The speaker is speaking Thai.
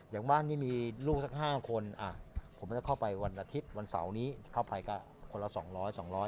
อย่างบ้านนี้มีลูกสัก๕คนผมจะเข้าไปวันอาทิตย์วันเสาร์นี้เข้าไปก็คนละ๒๐๐๒๐๐